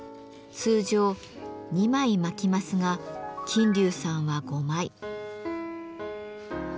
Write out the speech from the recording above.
通常２枚巻きますが琴柳さんは５枚。